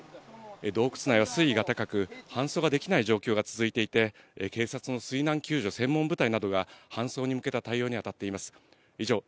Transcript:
洞窟内は水位が高く、搬送ができない状況が続いていて、警察の水難救助専門部隊などが搬送に向けた対応に当たっています。